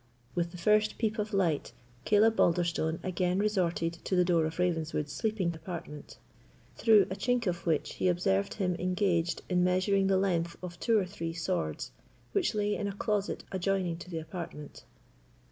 With the first peep of light, Caleb Balderstone again resorted to the door of Ravenswood's sleeping apartment, through a chink of which he observed him engaged in measuring the length of two or three swords which lay in a closet adjoining to the apartment.